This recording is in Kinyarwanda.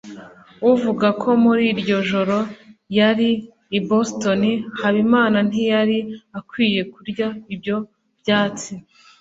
avuga ko muri iryo joro yari i Boston. Habimana ntiyari akwiye kurya ibyo byatsi.